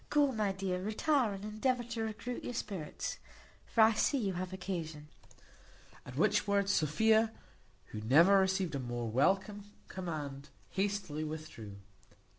Go, my dear, retire, and endeavour to recruit your spirits; for I see you have occasion." At which words Sophia, who never received a more welcome command, hastily withdrew.